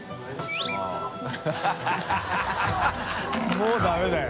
もうダメだよ。